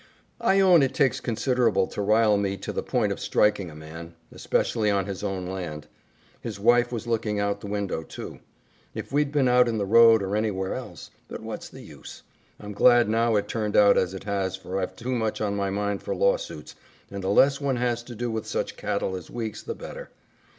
"I own it takes considerable to rile me to the point of striking a man, especially on his own land. His wife was looking out the window, too. If we'd been out in the road or anywhere else but what's the use? I'm glad now it turned out as it has for I've too much on my mind for lawsuits, and the less one has to do with such cattle as Weeks the better.